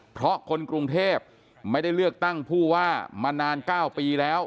เพราะคนกรุงเทพไม่ได้เลือกตั้งผู้ว่ามานาน๙ปีแล้ว